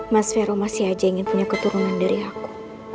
mas vero masih aja ingin punya keturunan dari aku